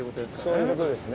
そういうことですね。